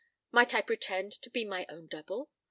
Might I pretend to be my own double?